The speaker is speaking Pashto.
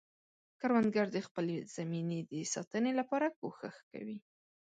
کروندګر د خپلې زمینې د ساتنې لپاره کوښښ کوي